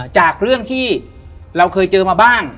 จากเรื่องที่เราเคยเจอมาบ้าง